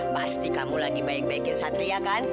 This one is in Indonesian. pasti kamu lagi baik baikin satria kan